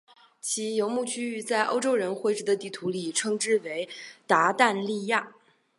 其游牧区域在欧洲人绘制的地图里称之为鞑靼利亚。